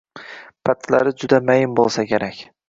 Patlari juda mayin bo’lsa kerak